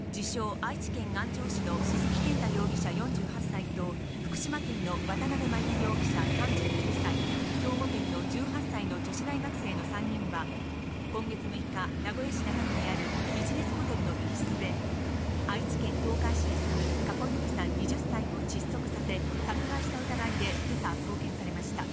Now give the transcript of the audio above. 愛知県安城市の鈴木健太容疑者４８歳と、福島県の渡邉真由美容疑者３９歳、兵庫県の１８歳の女子大学生の３人は、今月６日、名古屋市中区にあるビジネスホテルの一室で、愛知県東海市に住む加古結莉さん２０歳を窒息させ、殺害した疑いでけさ、送検されました。